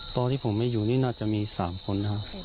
ตอนที่ผมไม่อยู่นี่น่าจะมี๓คน